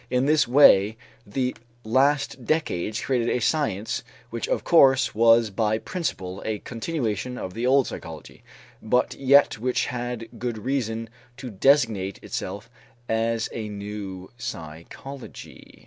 In this way the last decades created a science which of course was by principle a continuation of the old psychology, but yet which had good reason to designate itself as a "new" psychology.